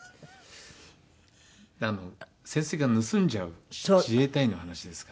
潜水艦盗んじゃう自衛隊員の話ですから。